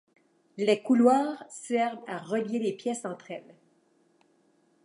Les couloirs servent à relier les pièces entre elles.